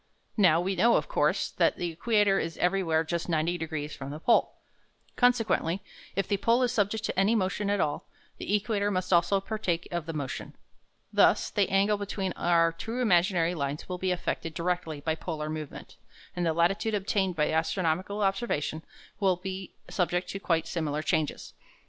Now we know, of course, that the equator is everywhere just 90 degrees from the pole. Consequently, if the pole is subject to any motion at all, the equator must also partake of the motion. Thus the angle between our two imaginary lines will be affected directly by polar movement, and the latitude obtained by astronomical observation will be subject to quite similar changes.